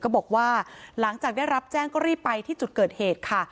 ก็บอกว่าหลังจากได้รับแจ้งก็รีบไปที่จุดเกิดเหตุค่ะ